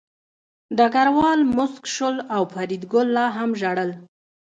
ډګروال موسک شو او فریدګل لا هم ژړل